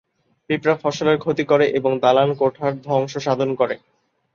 পিঁপড়া ফসলের ক্ষতি করে এবং দালান-কোঠার ধ্বংস সাধন করে।